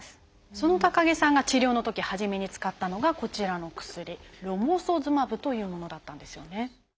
その高木さんが治療のとき初めに使ったのがこちらの薬ロモソズマブというものだったんですよね。